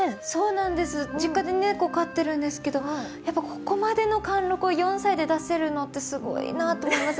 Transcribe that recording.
実家で猫飼ってるんですけど、ここまでの貫禄を４歳で出せるのってすごいなって思いますね。